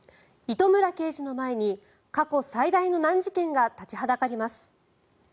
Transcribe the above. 糸村刑事の前に過去最大の難事件が立ちはだかります。